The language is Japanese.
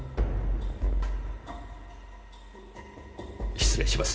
失礼します。